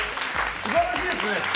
素晴らしいですね。